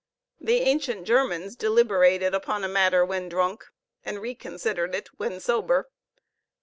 The ancient Germans deliberated upon a matter when drunk, and reconsidered it when sober.